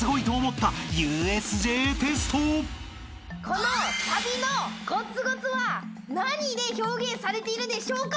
このさびのゴツゴツは何で表現されているでしょうか？